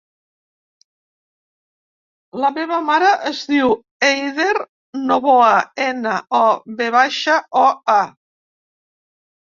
La meva mare es diu Eider Novoa: ena, o, ve baixa, o, a.